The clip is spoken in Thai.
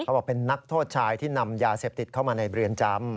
บอกเป็นนักโทษชายที่นำยาเสพติดเข้ามาในเรือนจำ